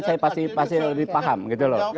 saya pasti lebih paham gitu loh